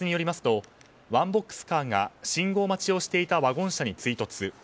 警察によりますとワンボックスカーが信号待ちをしていたワゴン車に追突。